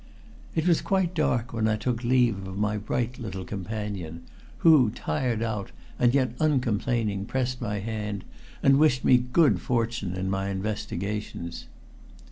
It was quite dark when I took leave of my bright little companion, who, tired out and yet uncomplaining, pressed my hand and wished me good fortune in my investigations.